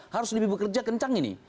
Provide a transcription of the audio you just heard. harus lebih bekerja kencang ini